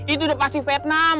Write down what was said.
itu udah pasti vietnam